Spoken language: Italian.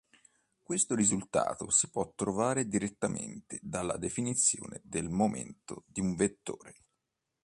Questo risultato si può trovare direttamente dalla definizione del momento di un vettore.